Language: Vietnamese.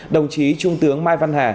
đồng chí trung tướng mai văn hà